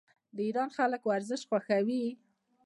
د ایران خلک ورزش خوښوي.